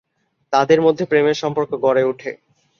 তাদের মধ্যে প্রেমের সম্পর্ক গড়ে ওঠে।